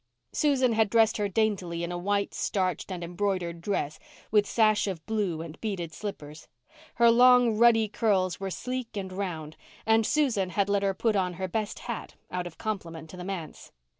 Susan had dressed her daintily in a white, starched, and embroidered dress, with sash of blue and beaded slippers. Her long ruddy curls were sleek and round, and Susan had let her put on her best hat, out of compliment to the manse.